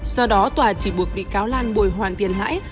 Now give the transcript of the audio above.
do đó tòa chỉ buộc bị cáo lan bồi hoàn tiền lãi